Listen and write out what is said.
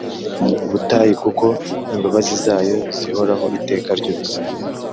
Butayu kuko imbabazi zayo zihoraho iteka ryose